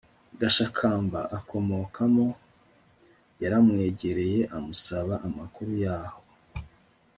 gashakamba akomokamo, yaramwegereye amusaba amakuru yaho